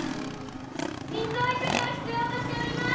心臓移植を必要としております！